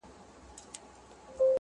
چي به شپه ورباندي تېره ورځ به شپه سوه!!